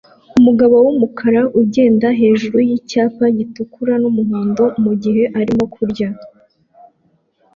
umugabo wumukara ugenda hejuru yicyapa gitukura numuhondo mugihe arimo kurya